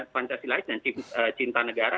pancasilais dan cinta negara